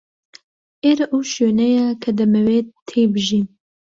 ئێرە ئەو شوێنەیە کە دەمەوێت تێی بژیم.